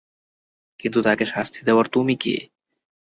কিন্তু তাকে শাস্তি দেওয়ার তুমি কে?